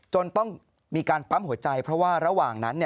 จนต้องมีการปั๊มหัวใจเพราะว่าระหว่างนั้น